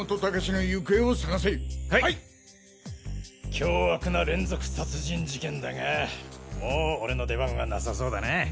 凶悪な連続殺人事件だがもう俺の出番はなさそうだな。